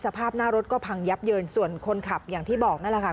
สภาพหน้ารถก็พังยับเยินส่วนคนขับอย่างที่บอกนั่นแหละค่ะ